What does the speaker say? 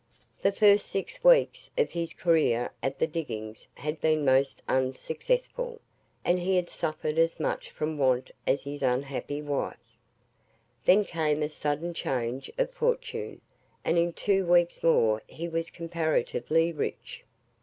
The first six weeks of his career at the diggings had been most unsuccessful, and he had suffered as much from want as his unhappy wife. Then came a sudden change of fortune, and in two weeks more he was comparatively rich.